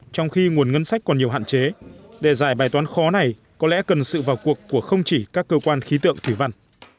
trong khi nguồn ngân sách còn nhiều hạn chế để giải bài toán khó này có lẽ cần sự vào cuộc của không chỉ các cơ quan khí tượng thủy văn